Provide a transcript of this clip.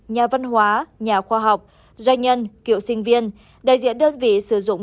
nhà văn hóa nhà khoa học doanh nhân cựu sinh viên đại diện đơn vị sử dụng